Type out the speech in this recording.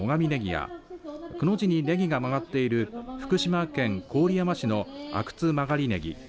やくの字にねぎが曲がっている福島県郡山市の阿久津曲がりねぎ。